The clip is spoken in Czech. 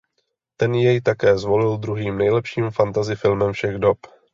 Ten jej také zvolil druhým nejlepším fantasy filmem všech dob.